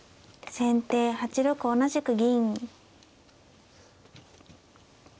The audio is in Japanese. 後手８六同じく金。